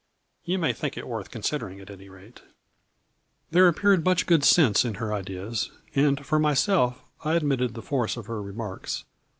You may think it worth considering at any rate." There appeared much good sense in her ideas, and, for myself, I admitted the force of her re marks.